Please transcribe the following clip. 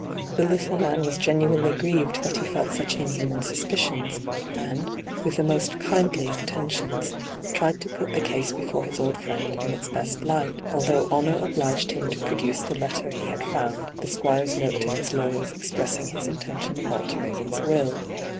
The little man was genuinely grieved that he felt such inhuman suspicions, and, with the most kindly intentions, tried to put the case before his old fiiend in its best light, although 4 nyt,, 6^hyG00glc so ENTRAPPED honour obliged him to produce the letter he had found, the Squire's note to his lawyers expressing his intention of altering his will.